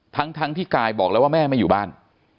ทั้งที่กายบอกแล้วว่าแม่ไม่อยู่บ้าน